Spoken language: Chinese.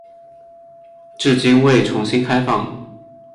至今未重新开放。